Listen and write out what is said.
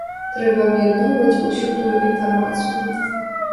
Трэба аб'ядноўваць усю тую інфармацыю.